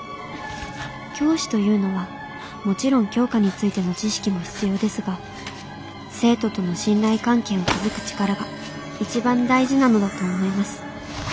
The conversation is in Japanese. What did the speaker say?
教師というのはもちろん教科についての知識も必要ですが生徒との信頼関係を築く力が一番大事なのだと思います。